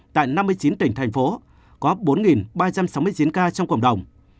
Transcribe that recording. tại năm mươi chín tỉnh thành phố có bốn ba trăm sáu mươi chín ca trong cộng đồng